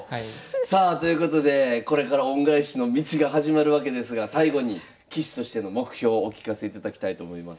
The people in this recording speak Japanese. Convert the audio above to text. さあということでこれから恩返しの道が始まるわけですが最後に棋士としての目標お聞かせいただきたいと思います。